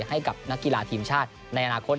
ให้กับนักกีฬาทีมชาติในอนาคต